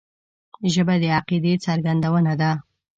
ژبه د عقیدې څرګندونه ده